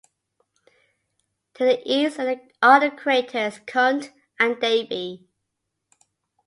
To the east are the craters Kundt and Davy.